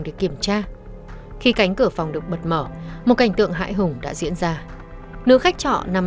để kiểm tra khi cánh cửa phòng được mật mở một cảnh tượng hại hùng đã diễn ra nơi khách trọ nằm